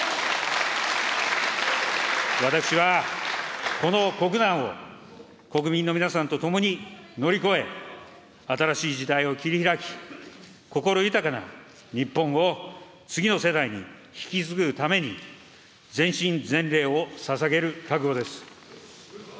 私は、この国難を国民の皆さんと共に乗り越え、新しい時代を切り開き、心豊かな日本を次の世代に引き継ぐために、全身全霊をささげる覚悟です。